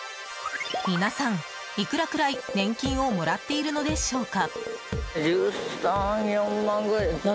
皆さん、いくらくらい年金をもらっているのでしょうか。